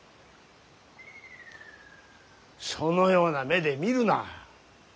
そのような目で見るな。